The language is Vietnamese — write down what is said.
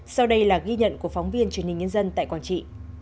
sau đây là ghi nhận của phóng viên truyền hình nhân dân tại quảng trị